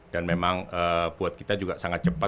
dan memang buat kita juga sangat cepat